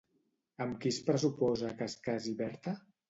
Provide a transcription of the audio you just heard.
Amb qui es pressuposa que es casi Berta?